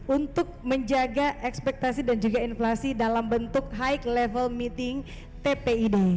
untuk menjaga ekspektasi dan juga inflasi dalam bentuk high level meeting tpid